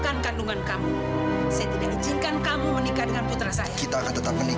apalagi dengan usia yang sopo baki